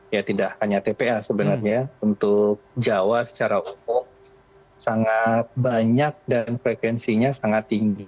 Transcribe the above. ya tidak hanya tpa sebenarnya untuk jawa secara umum sangat banyak dan frekuensinya sangat tinggi